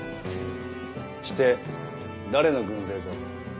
して誰の軍勢ぞ？